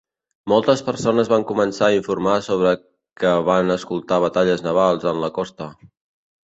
Moltes persones van començar a informar sobre que van escoltar batalles navals en la costa.